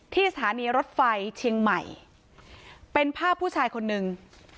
สถานีรถไฟเชียงใหม่เป็นภาพผู้ชายคนนึง